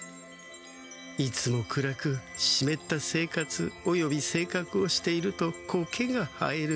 いつも暗くしめった生活およびせいかくをしているとコケが生える。